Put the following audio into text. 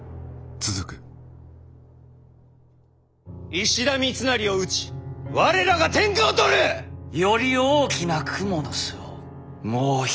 石田三成を討ち我らが天下を取る！より大きなクモの巣をもう一つ張っております。